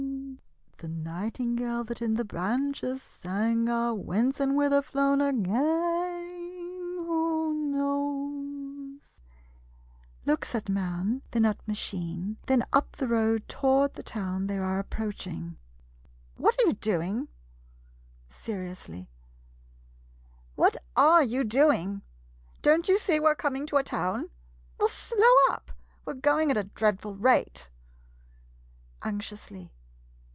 ]" The nightingale that in the branches sang — Ah, whence and whither flown again who knows ?" [Looks at man, then at machine, then up the road toward the town they are approaching.] 65 MODERN MONOLOGUES What are you doing? [Seriously. ,] What ar^ you doing? Don't you see we 're coming to a town ? Well, slow up — we 're going at a dreadful rate. [Anxiously.